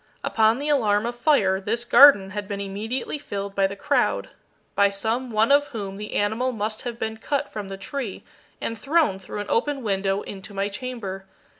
Upon the alarm of fire this garden had been immediately filled by the crowd, by some one of whom the animal must have been cut from the tree and thrown through an open window into my chamber.